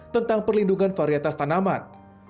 tentang perlindungan varietas tanaman